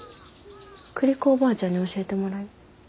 栗子おばあちゃんに教えてもらい。